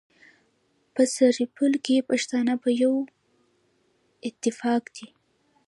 په سرپل کي پښتانه په يوه اتفاق دي.